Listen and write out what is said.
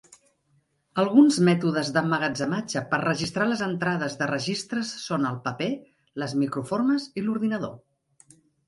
Alguns mètodes d'emmagatzematge per registrar les entrades de registres són el paper, les microformes i l'ordinador.